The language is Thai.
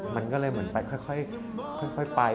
มันก็เลยเหมือนไปค่อยไป